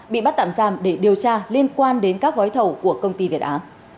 bị bắt tạm giam để điều tra liên quan đến các gói thầu của công ty việt á